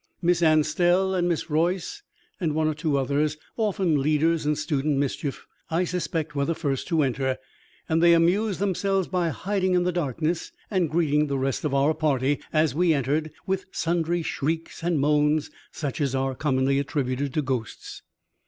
Miss Anstell and Miss Royce and one or two others, often leaders in student mischief, I suspect, were the first to enter, and they amused themselves by hiding in the darkness and greeting the rest of our party as we entered with sundry shrieks and moans such as are commonly attributed to ghosts.